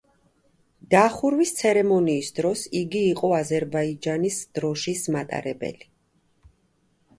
დახურვის ცერემონიის დროს იგი იყო აზერბაიჯანის დროშის მატარებელი.